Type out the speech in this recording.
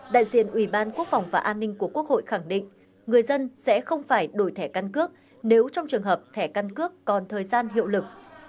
đại diện ủy ban quốc phòng và an ninh của quốc hội khẳng định người dân sẽ không phải đổi thẻ căn cước nếu trong trường hợp thẻ căn cước còn thời gian hiệu lực